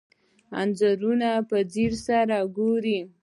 انځورونه په ځیر سره وګورئ.